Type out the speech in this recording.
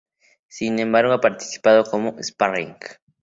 Sin embargo ha participado como sparring.